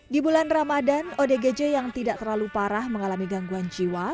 di bulan ramadan odgj yang tidak terlalu parah mengalami gangguan jiwa